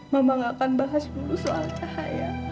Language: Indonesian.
mama gak akan bahas dulu soal saya